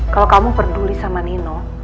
kalau kamu peduli sama nino